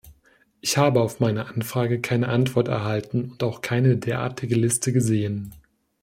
Ich habe auf meine Anfrage keine Antwort erhalten und auch keine derartige Liste gesehen.